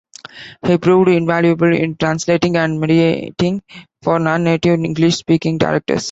He proved invaluable in translating and mediating for non-native English-speaking directors.